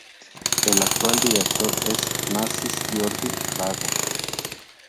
El actual director es Narcís-Jordi Aragó.